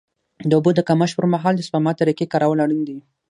د اوبو د کمښت پر مهال د سپما طریقې کارول اړین دي.